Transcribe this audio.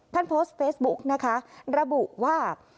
โพสต์เฟซบุ๊กนะคะระบุว่า